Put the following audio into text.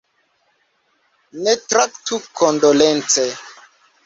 Ne traktu kondolence!